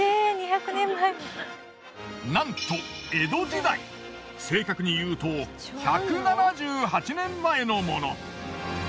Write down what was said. なんと江戸時代正確にいうと１７８年前のもの。